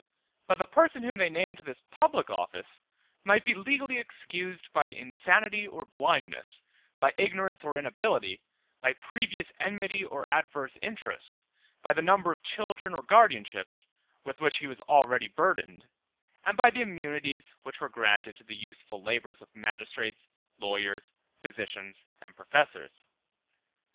But the person whom they named to this public office might be legally excused by insanity or blindness, by ignorance or inability, by previous enmity or adverse interest, by the number of children or guardianships with which he was already burdened, and by the immunities which were granted to the useful labors of magistrates, lawyers, physicians, and professors.